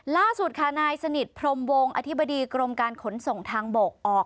ล่าสุดค่ะนายสนิทพรมวงอธิบดีกรมการขนส่งทางบกออก